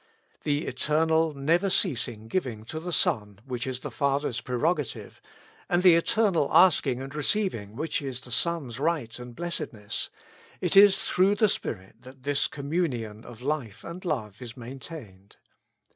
The eternal never ceasing giving to the Son which is the Father's prerogative, and the eternal asking and re ceiving which is the Son's right and blessedness — it is through the Spirit that this communion of life and love is maintained.